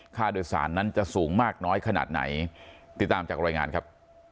ค่าโดยสารนั้นจะสูงมากน้อยขนาดไหนติดตามจากรายงานครับ